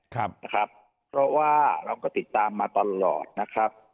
ครับนะครับเพราะว่าเราก็ติดตามมาตลอดนะครับ